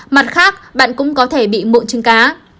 mặt khác bạn cũng có thể bị mộn trứng cá